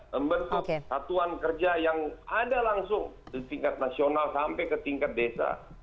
membentuk satuan kerja yang ada langsung di tingkat nasional sampai ke tingkat desa